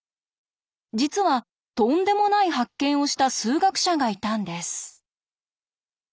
実はとんでもない発見をした数学者がいたんです。